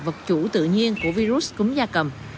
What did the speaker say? vật chủ tự nhiên của virus cúm da cầm